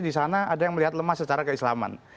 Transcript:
di sana ada yang melihat lemah secara keislaman